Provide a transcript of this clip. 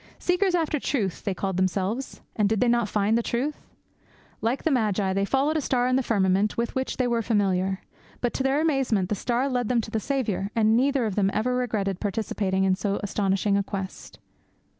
Seekers after truth, they called themselves; and did they not find the Truth? Like the Magi, they followed a star in the firmament with which they were familiar. But, to their amazement, the star led them to the Saviour, and neither of them ever regretted participating in so astonishing a quest.